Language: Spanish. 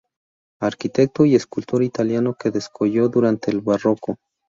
Arquitecto y escultor italiano que descolló durante el barroco.